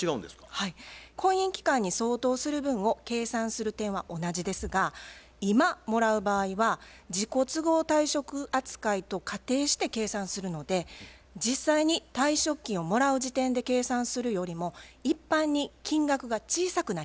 はい婚姻期間に相当する分を計算する点は同じですが今もらう場合は自己都合退職扱いと仮定して計算するので実際に退職金をもらう時点で計算するよりも一般に金額が小さくなります。